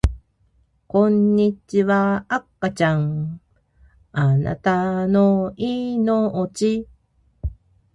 こんにちは赤ちゃんあなたの生命